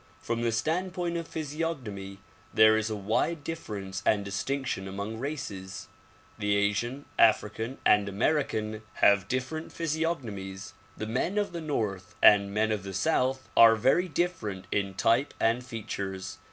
From the standpoint of physiognomy there is a wide difference and distinction among races. The Asian, African and American have different physiog nomies ; the men of the north and men of the south are very differ ent in type and features.